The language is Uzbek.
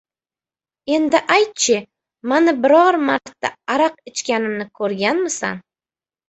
Endi ayt-chi, mani biror marta araq ichganimni ko‘rganmisan?